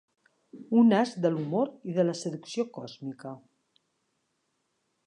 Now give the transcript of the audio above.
Un as de l'humor i de la seducció còsmica.